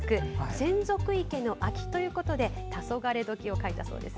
洗足池の秋ということでたそがれどきを描いたそうです。